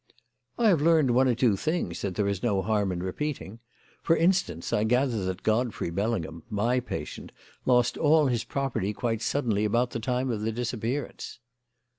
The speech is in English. "I have learned one or two things that there is no harm in repeating. For instance, I gather that Godfrey Bellingham my patient lost all his property quite suddenly about the time of the disappearance."